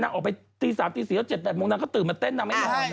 นางนางออกไปตี๓ตี๔เต็ม๘โมงนางก็ตื่นมาเต้นนางไม่หย่อน